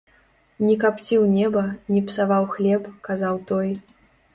Не капціў неба, не псаваў хлеб, казаў той.